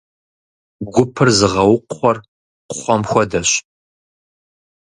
Гупыр зыгъэукхъуэр кхъуэм хуэдэщ.